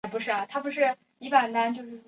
艾佛杰克生长于荷兰斯派克尼瑟。